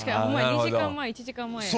２時間前１時間前や。